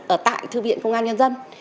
ở tại thư viện công an nhân dân